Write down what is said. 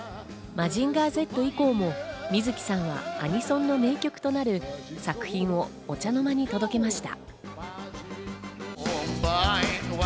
『マジンガーＺ』以降も水木さんはアニソンの名曲となる作品をお茶の間に届けました。